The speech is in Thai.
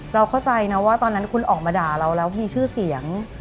เราเข้าใจนะว่าตอนนั้นคุณออกมาด่าเราแล้วมีชื่อเสียง